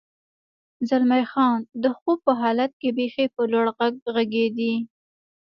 زلمی خان: د خوب په حالت کې بېخي په لوړ غږ غږېدې.